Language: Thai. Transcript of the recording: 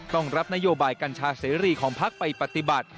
ต้องรับนโยบายกัญชาเสรีของพักไปปฏิบัติ